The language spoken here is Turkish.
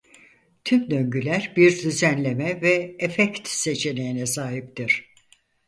Tüm döngüler bir düzenleme ve efekt seçeneğine sahiptir.